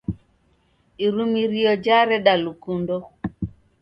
Irumirio jareda lukundo